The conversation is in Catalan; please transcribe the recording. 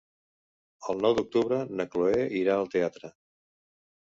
El nou d'octubre na Chloé irà al teatre.